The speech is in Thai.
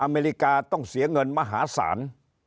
อเมริกาต้องเสียเงินมหาศาล